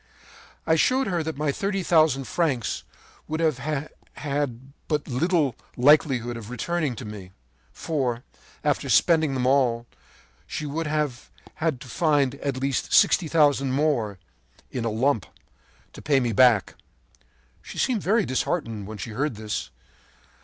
“I showed her that my thirty thousand francs would have but little likelihood of returning to me; for, after spending them all, she would have to find at least sixty thousand more, in a lump, to pay me back. “She seemed very disheartened when she heard this.